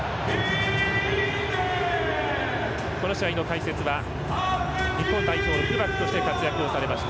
この試合の解説は日本代表、フルバックとして活躍されました